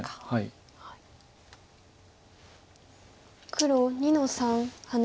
黒２の三ハネ。